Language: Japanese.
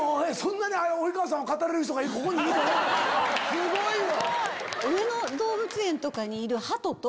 すごいわ！